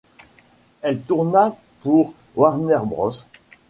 Elle tourna pour Warner Bros.